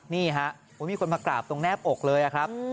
นี่ฮะมีคนมากราบตรงแนบอกเลยครับ